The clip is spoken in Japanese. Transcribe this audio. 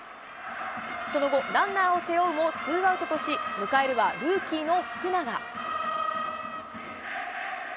その後、ランナーを背負うもツーアウトとし、迎えるはルーキーの福永。